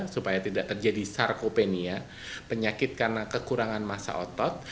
supaya tidak terjadi sarkopenia penyakit karena kekurangan masa otot